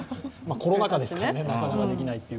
コロナ禍ですからねなかなか、できないという。